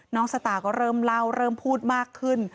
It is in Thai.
สตาร์ก็เริ่มเล่าเริ่มพูดมากขึ้น